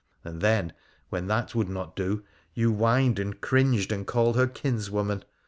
And then, when that would not do, you whined and cringed and called her kinswoman.